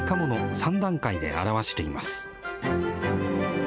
３段階で表しています。